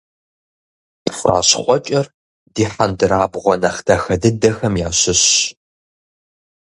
ПцӀащхъуэкӀэр ди хьэндырабгъуэ нэхъ дахэ дыдэхэм ящыщщ.